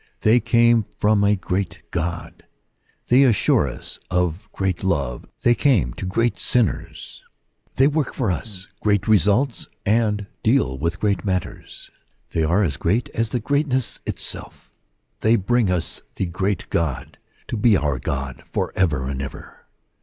They come from a great G^^ ^ they assure us of great love, they come to gr^^ ^ sinners, they work for us great results, and d^^ ^ with great matters. They are as great as greatne^^^ itself; they bring us the great God, to be our Gc:^^ for ever and ever.